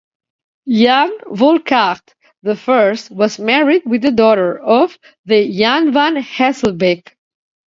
Jan Volkaert the First, was married with the daughter of the Jan van Hesselbeke.